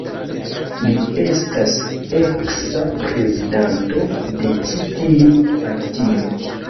Li estas eksa prezidanto de ĉi tiu partio.